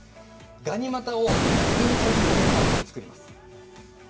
ガニ股を右に体重をかけながら作ります。